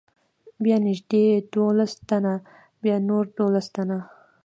بیا نږدې دولس تنه، بیا نور دولس تنه.